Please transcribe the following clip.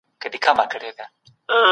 دولتونه تل خپل منځي سياسي اړيکي پالي.